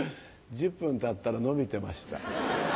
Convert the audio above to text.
１０分たったらのびてました。